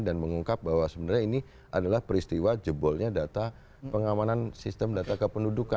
dan mengungkap bahwa sebenarnya ini adalah peristiwa jebolnya data pengamanan sistem data kependudukan